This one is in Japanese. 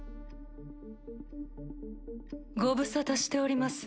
ご無沙汰しております